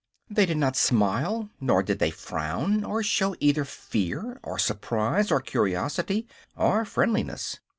They did not smile nor did they frown, or show either fear or surprise or curiosity or friendliness.